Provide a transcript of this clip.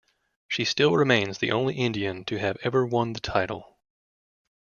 She still remains the only Indian to have ever won the title.